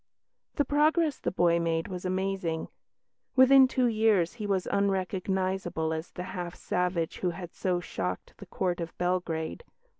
The progress the boy made was amazing. Within two years he was unrecognisable as the half savage who had so shocked the Court of Belgrade.